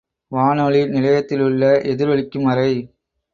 வானொலி நிலையத்திலுள்ள எதிரொலிக்கும் அறை.